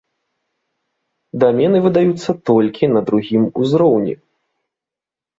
Дамены выдаюцца толькі на другім узроўні.